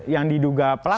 yang diduga pelaku